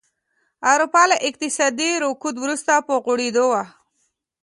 اروپا له اقتصادي رکود وروسته په غوړېدو وه.